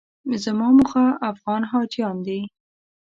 زما موخه افغان حاجیان دي.